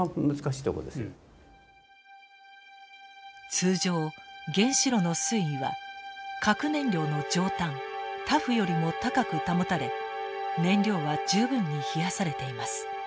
通常原子炉の水位は核燃料の上端ＴＡＦよりも高く保たれ燃料は十分に冷やされています。